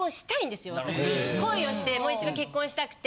恋をしてもう一度結婚したくて。